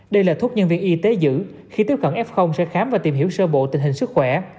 đây là thuốc nhân viên y tế giữ khi tiếp cận f sẽ khám và tìm hiểu sơ bộ tình hình sức khỏe